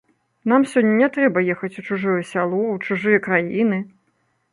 Нам сёння не трэба ехаць у чужое сяло, у чужыя краіны.